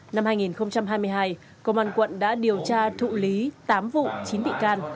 năm hai nghìn hai mươi hai công an quận đã điều tra thụ lý tám vụ chín bị can